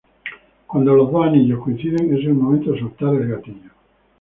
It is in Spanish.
Cuando los dos anillos coinciden, es el momento de soltar el gatillo.